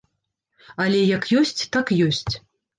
Але як ёсць, так ёсць.